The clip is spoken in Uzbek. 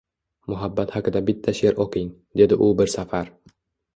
– Muhabbat haqida bitta she’r o’qing, – dedi u bir safar.